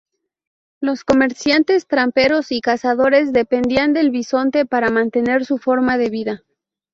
Los comerciantes, tramperos y cazadores dependían del bisonte para mantener su forma de vida.